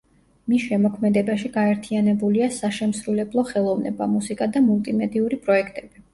მის შემოქმედებაში გაერთიანებულია საშემსრულებლო ხელოვნება, მუსიკა და მულტიმედიური პროექტები.